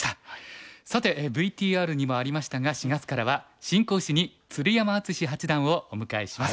さてＶＴＲにもありましたが４月からは新講師に鶴山淳志八段をお迎えします。